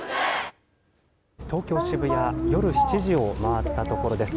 東京、渋谷夜７時を回ったところです。